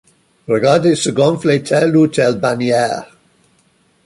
Regarder se gonfler telle ou telle bannière